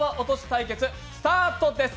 対決スタートです。